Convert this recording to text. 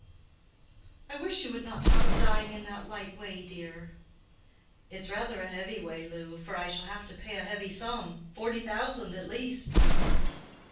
"I wish you would not talk of dying in that light way, dear." "It's rather a heavy way, Lou, for I shall have to pay a heavy sum—forty thousand, at least."